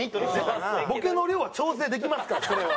ボケの量は調整できますからそれは。